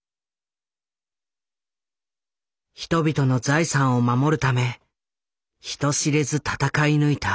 人々の財産を守るため人知れず闘い抜いた。